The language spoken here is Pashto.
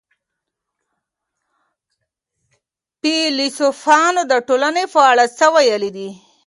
فيلسوفانو د ټولني په اړه څه ويلي دي؟